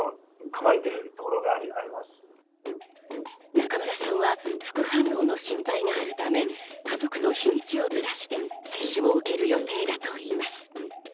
中村さんは副反応の心配があるため、家族と日にちをずらして接種を受ける予定だといいます。